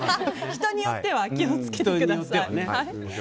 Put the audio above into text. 人によっては気を付けてください。